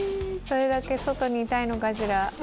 それだけ外にいたいのかしら。